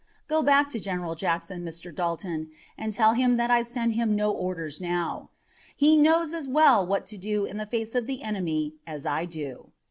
Go back to General Jackson, Mr. Dalton, and tell him that I send him no orders now. He knows as well what to do in the face of the enemy as I do.'